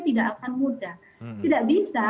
tidak akan mudah tidak bisa